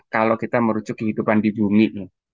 kalau kita merucuk kehidupan di bumi